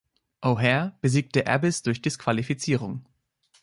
O'Haire besiegte Abyss durch Disqualifizierung.